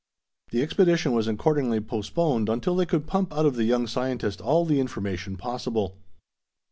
The expedition was accordingly postponed until they could pump out of the young scientist all the information possible.